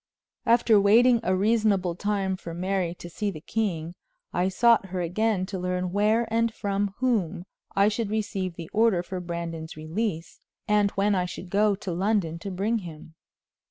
After waiting a reasonable time for Mary to see the king, I sought her again to learn where and from whom I should receive the order for Brandon's release, and when I should go to London to bring him.